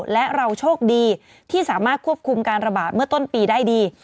และเราโชคดีที่สามารถควบคุมการระบาดเมื่อต้นปีได้ดี